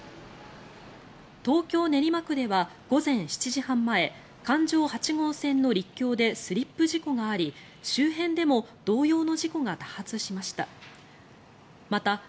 東京・練馬区では午前７時半前環状８号線の陸橋でスリップ事故があり周辺でも同様の事故が多発しました。